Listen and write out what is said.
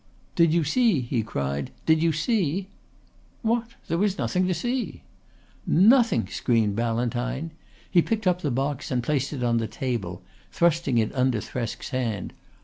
"Did you see?" he cried. "Did you see?" "What? There was nothing to see!" "Nothing!" screamed Ballantyne. He picked up the box and placed it on the table, thrusting it under Thresk's hand.